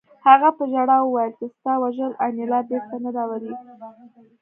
هغه په ژړا وویل چې ستا وژل انیلا بېرته نه راولي